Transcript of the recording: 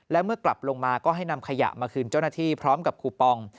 และเมื่อกลับลงมาก็ให้นำขยะมาคืนเจ้าหน้าที่พร้อมกับคูปอง